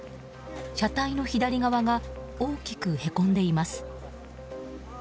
車体の左側が大きくへこんでいます。